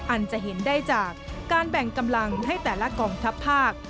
อันจะเห็นได้จากการแบ่งกำลังให้แต่ละกองทัพภาค